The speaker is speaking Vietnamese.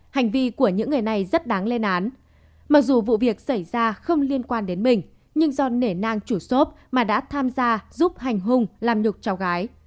hành vi của những người này rất đáng lên án mặc dù vụ việc xảy ra không liên quan đến mình nhưng do nể nang chủ xốp mà đã tham gia giúp hành hùng làm nhục cháu gái